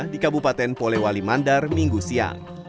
di kabupaten polewali mandar minggu siang